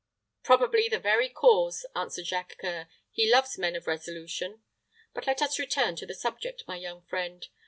"Probably the very cause," answered Jacques C[oe]ur; "he loves men of resolution. But let us return to the subject, my young friend.